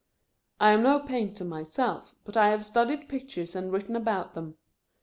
I am no painter myself, but I have stiidied pictures and written about them.